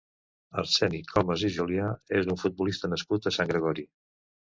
Arseni Comas i Julià és un futbolista nascut a Sant Gregori.